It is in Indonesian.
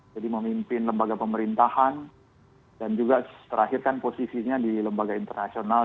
jadi memimpin lembaga pemerintahan dan juga terakhir kan posisinya di lembaga internasional